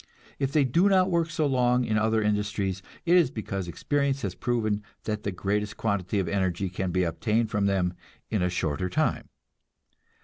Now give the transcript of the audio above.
If they do not work so long in other industries, it is because experience has proven that the greatest quantity of energy can be obtained from them in a shorter time.